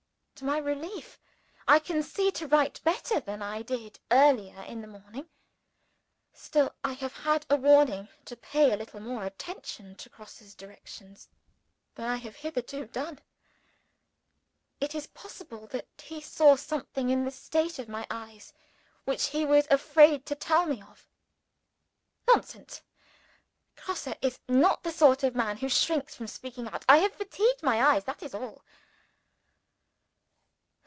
To my relief, I can see to write better than I did earlier in the morning. Still, I have had a warning to pay a little more attention to Grosse's directions than I have hitherto done. Is it possible that he saw something in the state of my eyes which he was afraid to tell me of? Nonsense! Grosse is not the sort of man who shrinks from speaking out. I have fatigued my eyes that is all.